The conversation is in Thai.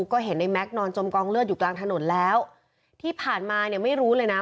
ก็เห็นในแก๊กนอนจมกองเลือดอยู่กลางถนนแล้วที่ผ่านมาเนี่ยไม่รู้เลยนะ